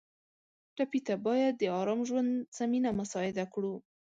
ټپي ته باید د ارام ژوند زمینه مساعده کړو.